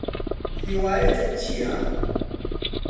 هیوایەتت چییە؟